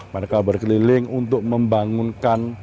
mereka berkeliling untuk membangun